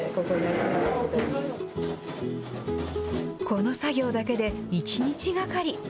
この作業だけで、１日がかり。